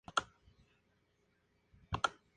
Canónigo lector de la catedral de Salamanca.